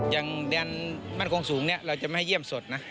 อย่างแดนมั่นคงสูงเนี่ยเราจะไม่ให้เยี่ยมสดนะ